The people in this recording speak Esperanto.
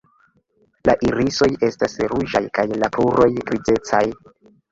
La irisoj estas ruĝaj kaj la kruroj grizecaj.